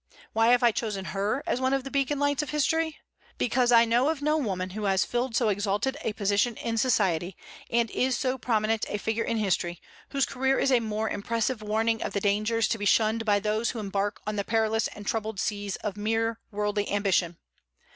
Why have I chosen her as one of the Beacon Lights of history? Because I know of no woman who has filled so exalted a position in society, and is so prominent a figure in history, whose career is a more impressive warning of the dangers to be shunned by those who embark on the perilous and troubled seas of mere worldly ambition.